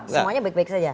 semuanya baik baik saja